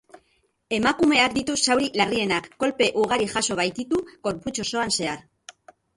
Emakumeak ditu zauri larrienak, kolpe ugari jaso baititu gorputz osoan zehar.